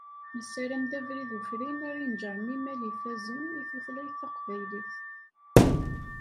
Nessaram d abrid ufrin ara ineǧren imal ifazen i tutlayt taqbaylit.